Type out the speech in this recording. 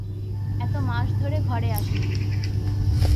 এতো মাস ধরে ঘরে আসেনি।